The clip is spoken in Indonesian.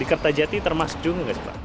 di kertajati termasuk juga nggak spak